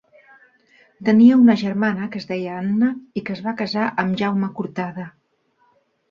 Tenia una germana que es deia Anna i que es va casar amb Jaume Cortada.